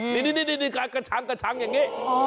นี้นึงกดกระชังอย่างนี้